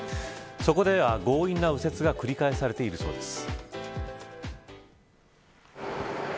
そこでは、強引な右折が繰り返されているそうです。